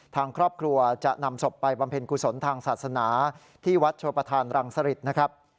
ทางครอบครัวจะนำศพไปบำเพ็ญกุศลทางศาสนาที่วัดโชประธานรังสริตนะครับ